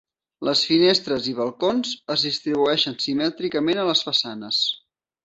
Les finestres i balcons es distribueixen simètricament a les façanes.